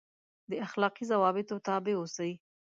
دا اخلاقي ضوابطو تابع اوسي.